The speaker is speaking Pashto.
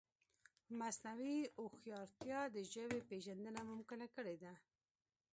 مصنوعي هوښیارتیا د ژبې پېژندنه ممکنه کړې ده.